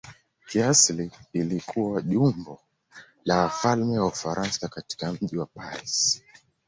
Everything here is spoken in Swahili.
Kiasili ilikuwa jumba la wafalme wa Ufaransa katika mji wa Paris.